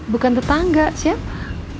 bukan tetangga siapa